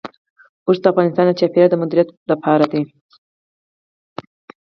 اوښ د افغانستان د چاپیریال د مدیریت لپاره دی.